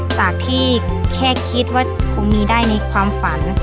จากที่แค่คิดว่าคงมีได้ในความฝัน